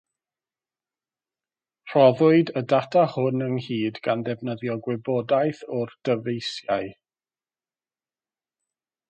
Rhoddwyd y data hwn ynghyd gan ddefnyddiovgwybodaeth o'r dyfeisiau.